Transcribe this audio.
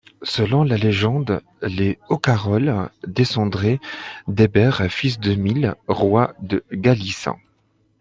Selon la légende, les O'Carroll descendraient d'Eber, fils de Mile, roi de Galice.